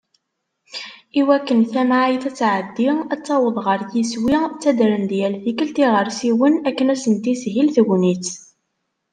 I wakken tamεayt ad tεeddi, ad taweḍ γer yiswi, ttadren-d yal tikkelt iγersiwen akken ad sen-tishil tegnit.